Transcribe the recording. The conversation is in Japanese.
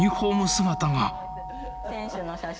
姿が。